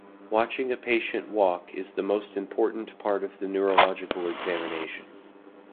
Watching a patient walk is the most important part of the neurological examination.